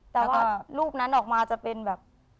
แต่ว่ารูปนั้นออกมาจะเป็นแบบ